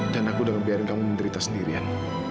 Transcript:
dan aku udah ngebiarin kamu menderita sendirian